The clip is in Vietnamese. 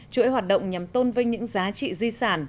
chuỗi hoạt động nhằm tôn vinh những giá trị di sản